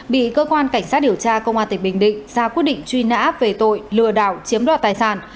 bị cơ quan cảnh sát điều tra công an tỉnh bình định ra quyết định truy nã về tội lừa đảo chiếm đoạt tài sản